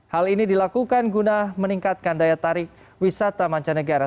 hal ini dilakukan guna meningkatkan daya tarik wisata mancanegara